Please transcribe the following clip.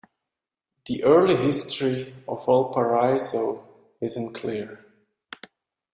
The early history of Valparaiso is unclear.